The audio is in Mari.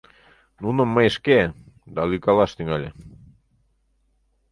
— Нуным мый шке... — да лӱйкалаш, тӱҥале.